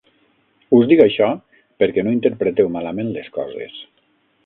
Us dic això perquè no interpreteu malament les coses.